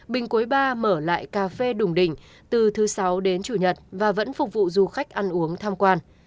bình quấy iii mở lại cà phê đùng đỉnh từ thứ sáu đến chủ nhật và vẫn phục vụ du khách ăn uống tham quan